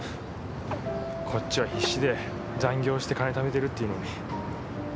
こっちは必死で残業して金ためてるっていうのに。